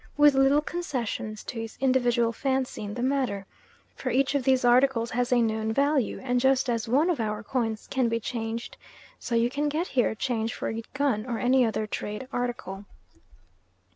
with little concessions to his individual fancy in the matter, for each of these articles has a known value, and just as one of our coins can be changed, so you can get here change for a gun or any other trade article.